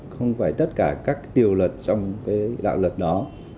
không phải tất cả các tiêu luật trong đạo luật đó